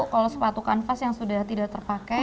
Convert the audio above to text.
kalau sepatu kanvas yang sudah tidak terpakai